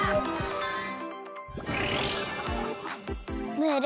ムール